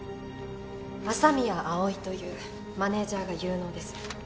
麻宮葵というマネージャーが有能です。